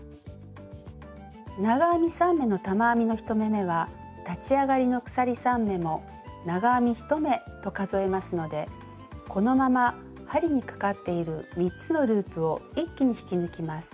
長編み３目の玉編みの１目めは立ち上がりの鎖３目も長編み１目と数えますのでこのまま針にかかっている３つのループを一気に引き抜きます。